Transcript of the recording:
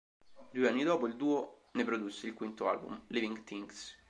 Due anni dopo il duo ne produsse il quinto album "Living Things".